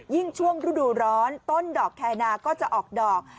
ช่วงฤดูร้อนต้นดอกแคนาก็จะออกดอก